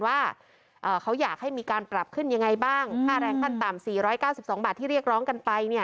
ว่าอ่าเขาอยากให้มีการปรับขึ้นยังไงบ้างค่าแรงตั้นต่ำสี่ร้อยเก้าสิบสองบาทที่เรียกร้องกันไปเนี่ย